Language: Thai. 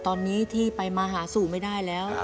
ตอนนี้ที่ไปมาหาสู่ไม่ได้แล้ว